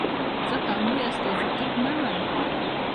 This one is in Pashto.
زه قومي استازیتوب نه منم.